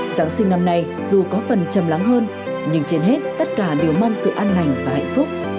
giáng sinh năm nay dù có phần chầm lắng hơn nhưng trên hết tất cả đều mong sự an lành và hạnh phúc